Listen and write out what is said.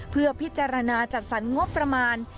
เพื่อพิจารณาจัดสรรงบประมาณ